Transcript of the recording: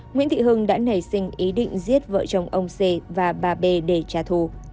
nguyễn thị hưng đã nảy sinh ý định giết vợ chồng ông c và bà b để trả thù